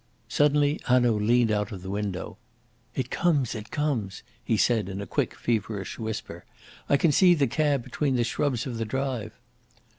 Suddenly Hanaud leaned out of the window. "It comes! it comes!" he said in a quick, feverish whisper. "I can see the cab between the shrubs of the drive."